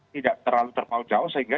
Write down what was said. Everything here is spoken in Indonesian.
tidak terlalu terpaut jauh sehingga